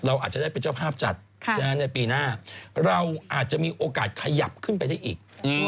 อาจจะได้เป็นเจ้าภาพจัดในปีหน้าเราอาจจะมีโอกาสขยับขึ้นไปได้อีก